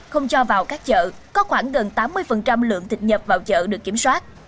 không cho vào các chợ có khoảng gần tám mươi lượng thịt nhập vào chợ được kiểm soát